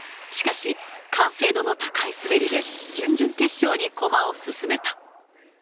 しかし、完成度の高い滑りで、準々決勝に駒を進めた。